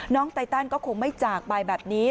ไตตันก็คงไม่จากไปแบบนี้